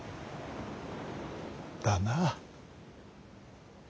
だな。